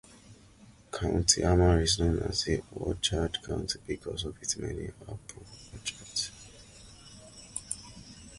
County Armagh is known as the "Orchard County" because of its many apple orchards.